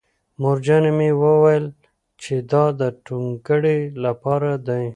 مورجانې مې وویل چې دا د ټونګرې لپاره دی